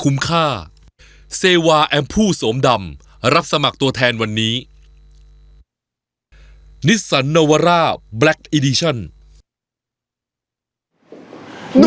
นิสสันนวาร่าแบล็คอีดีชัน